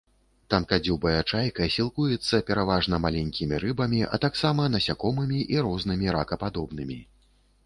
Танкадзюбая чайка сілкуецца пераважна маленькімі рыбамі, а таксама насякомымі і рознымі ракападобнымі.